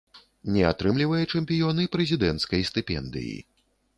Не атрымлівае чэмпіён і прэзідэнцкай стыпендыі.